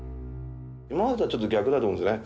今までとはちょっと逆だと思うんですね。